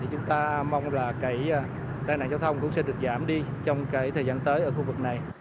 chúng ta mong là tai nạn giao thông cũng sẽ được giảm đi trong thời gian tới ở khu vực này